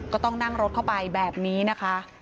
ก็ต้องนั่งรถเข้าไปแบบนี้นะคะ